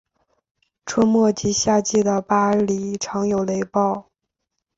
春末及夏季的巴里常有雷暴。